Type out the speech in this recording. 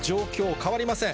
変わりません。